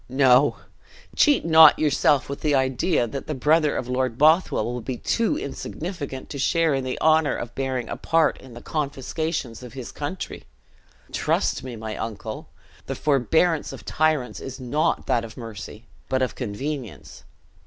No! cheat not yourself with the idea that the brother of Lord Bothwell will be too insignificant to share in the honor of bearing a part in the confiscations of his country! Trust me, my uncle, the forbearance of tyrants is not that of mercy, but of convenience.